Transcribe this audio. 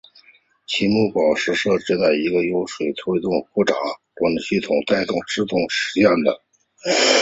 其木人宝石设施是在一组由水力推动的复杂的齿轮系统的带动下自动实现的。